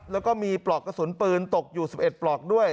แล้วก็มีปลอกกระสุนปืนตกอยู่๑๑ปลอกด้วย